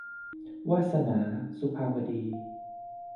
วาสนา - สุภาวดี